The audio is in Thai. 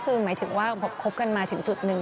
คือหมายถึงว่าคบกันมาถึงจุดหนึ่ง